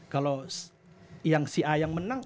kalau yang si a yang menang